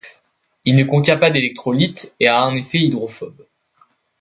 Il ne contient pas d'électrolyte et a un effet hydrophobe.